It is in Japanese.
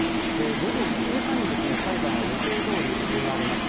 午後１時半に裁判は予定どおり行われました。